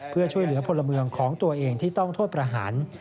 เพื่อช่วยเหลือพลเมืองของตัวเองที่ต้องโทษประหาร